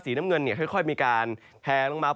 สีน้ำเงินเนี่ยค่อยมีการแพ้ลงมา